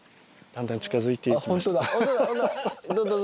だんだん近づいてきた。